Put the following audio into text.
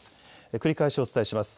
繰り返しお伝えします。